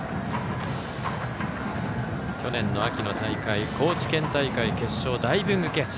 去年秋の大会高知県大会の決勝でダイビングキャッチ。